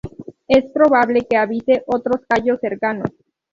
Es probable que habite otros cayos cercanos.